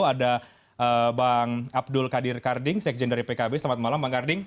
ada bang abdul qadir karding sekjen dari pkb selamat malam bang karding